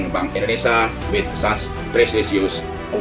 pembangunan ini benar benar merupakan penghargaan internasional